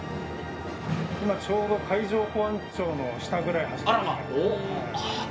今ちょうど海上保安庁の下ぐらいを走ってます。